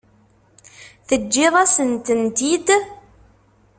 Teǧǧiḍ-asen-tent-id?